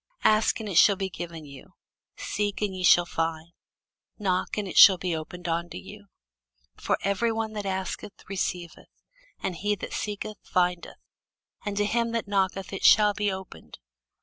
Ask, and it shall be given you; seek, and ye shall find; knock, and it shall be opened unto you: for every one that asketh receiveth; and he that seeketh findeth; and to him that knocketh it shall be opened.